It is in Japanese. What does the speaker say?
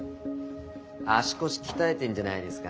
足腰鍛えてんじゃないですか？